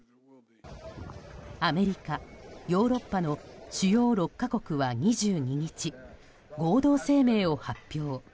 アメリカ、ヨーロッパの主要６か国は２２日、合同声明を発表。